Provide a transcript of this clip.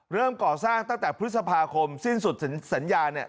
เริ่มก่อสร้างตั้งแต่พฤษภาคมสิ้นสุดสัญญาเนี่ย